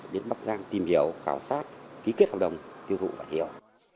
đến bắc giang tìm hiểu khảo sát ký kết hợp đồng tiêu thụ và hiểu